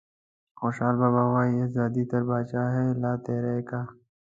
خوشحال بابا وايي ازادي تر پاچاهیه لا تیری کا.